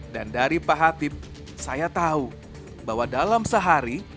dan dari pak hatip saya tahu bahwa dalam sehari